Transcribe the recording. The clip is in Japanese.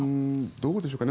どうでしょうか。